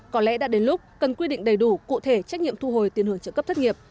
có lẽ đã đến lúc cần quy định đầy đủ cụ thể trách nhiệm thu hồi tiền hưởng trợ cấp thất nghiệp